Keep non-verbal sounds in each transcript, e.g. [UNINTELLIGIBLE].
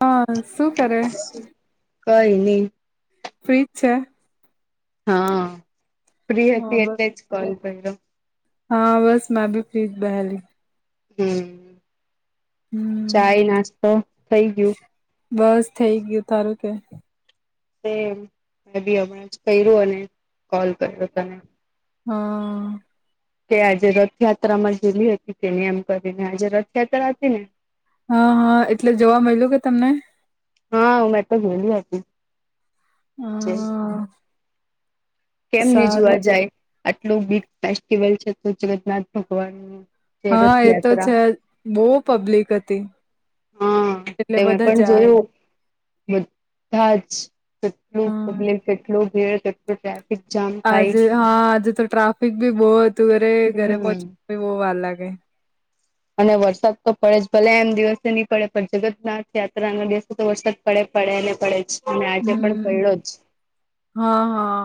હા, શું કરે? કઈ ની. પ્રીત છે. હા, ફ્રી હા હતી, બ એટલે જ કોલ કર્યો. હા બસ મેં ભી ફ્રીજ બેહેલી હમ્મ હમ ચાય નાસ્તો થઇ ગયું બસ થઇ ગયું તારું કે હમ્મ મે બી હમણાં જ કર્યું અને કોલ કર્યો તને હં તે આજે રથયાત્રા માં જેેલી હતી તેને એમ કરીને આજે રથયાત્રા હતી ને હા હા એટલે જોવા મળ્યું કે તમને હા મે તો ગેલી હતી જ હા કેમ ની જોવા સારું જાય આટલું બીગ ફેસ્ટિવલ છે જગન્નાથ ભગવાન નું હા એ તો છે જ બહુ પબ્લિક હતી હા એટલે તમે બધા પણ જાય જોયું બધા જ કેટલું હા પબ્લિક કેટલું ભીળ કેટલું ટ્ર આજે હા આજે તો ટ્રાફિક ભી બહુ હતું અરે ઘરે હમ પહોચવા બહું વાર લાગે અને વરસાદ તો પડે જ ભલે એમ દિવસે નીકળે જ પણ જગન્નાથ યાત્રા ના દિવસે તો વરસાદ પડે પડે ને પડે જ અને આજે પણ હમ પડ્યો જ હા હા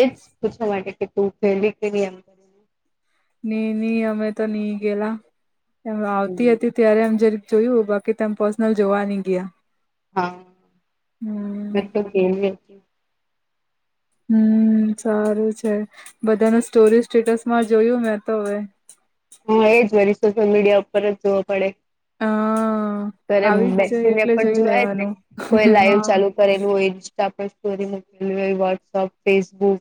એજ પૂછવા માટે તું ગેલી કે ની એમ કરીને. ની ની અમે તો ની ગયેલા હવે આવતી હમ. હતી ત્યારે એમ જરીક જોયું બાકી તો પર્સનલ જોવા નઈ ગયા હા હમ કે [UNINTELLIGIBLE] હમ્મ સારું છે બધાને સ્ટોરી સ્ટેટસમાં જોયું મેં તો હવે હા એ જ વળી સોશિયલ મીડિયા ઉપર જ જોવો પડે હા ત્યારે આવી જ જઈ બેસીને એટલે પણ જોઈ જોવાય ને લેવાનું કોઈ લાઈવ હા ચાલુ કરેલું હોય ઇન્સ્ટા પર સ્ટોરી મુકેલી હોય વોટસઅપ ફેસબુક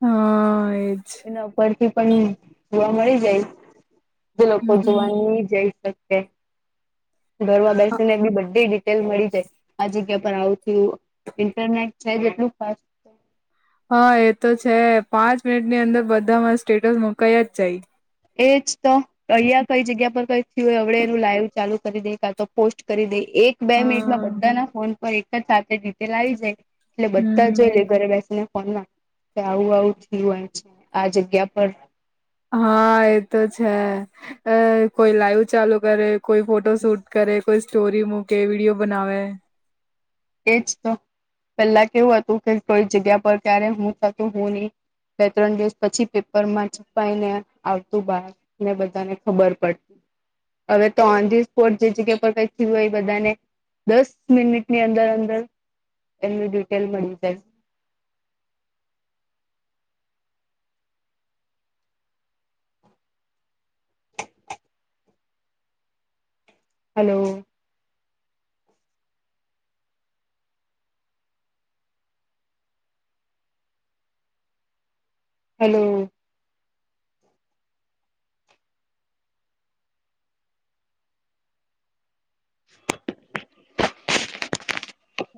હા એજ ને ઉપરથી પણ જોવા મળી જાય બોલો હમ ભગવાનની જય તો છે ઘરમાં બેસીને એમની બધી વીસ ડીટેયલ મળી જાય આ જગ્યા પર આવુ થયુ ઇન્ટરનેટ છે જ એટલું ફાસ્ટ હા એ તો છે પાંચ મિનિટ ની અંદર બધામાં સ્ટેટસ મુકાયા જ જાય એજ તો અહિયા કઈ જગ્યા પર કઈ થી હવડે એવુ લાઈવ ચાલુ કરી દે કાતો પોસ્ટ કરી દે એક બે મિનિટમાં હા બધાના ફોન પર એક [UNINTELLIGIBLE] ડિટેલ આવી જાય એટલે બધા હમ જોઈ લે ઘરે બેસીને ફોનમાં કે આવું આવું થયુ હોય છે આ જગ્યા પર હા એતો છે. અ કોઈ લાઈવ ચાલુ કરે કોઈ ફોટો શૂટ કરે કોઈ સ્ટોરી મૂકે વિડીયો બનાવે એજ તો પેલા કેવું હતું કે કોઈ જગ્યા પર ક્યારે હું થતું હું નહી બે ત્રણ દિવસ પછી પેપર માં છુપાઈને આવતું બાર ને બધાને ખબર પડ હવે તો ઓન ધી સ્પોટ જે જગ્યા પર કઈક થયું હોય બધાને દસ મિનિટની અંદર શું થયું એમની ડિટેલ મળી જાય hello. Hello.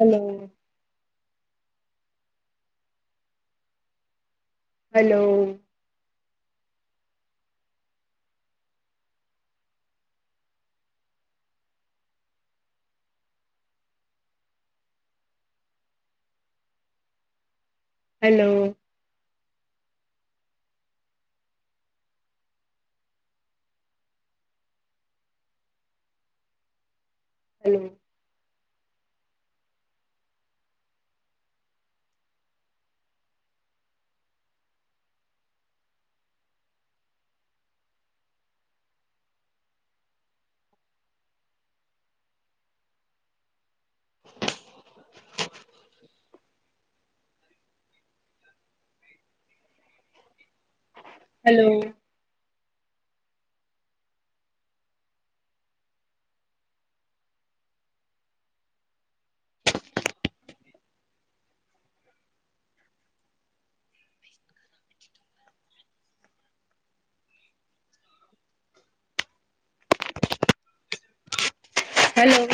[INAUDIBLE] Hello. Hello. Hello. Hello. Hello hello